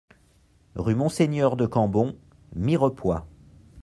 Rue Monseigneur de Cambon, Mirepoix